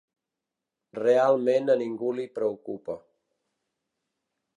Realment a ningú li preocupa.